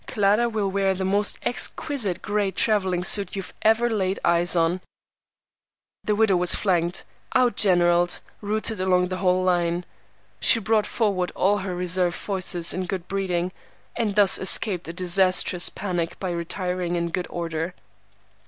Clara will wear the most exquisite gray travelling suit you ever laid eyes on." The widow was flanked, outgeneralled, routed along the whole line. She brought forward all her reserve forces of good breeding, and thus escaped a disastrous panic by retiring in good order.